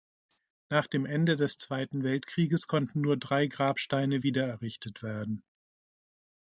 Nach dem Ende des Zweiten Weltkrieges konnten nur drei Grabsteine wieder errichtet werden.